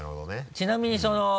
ちなみにその。